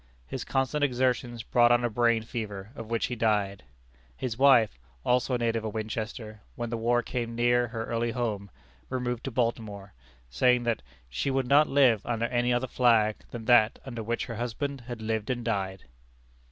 His constant exertions brought on a brain fever, of which he died. His wife, also a native of Winchester, when the war came near her early home, removed to Baltimore, saying that "she would not live under any other flag than that under which her husband had lived and died."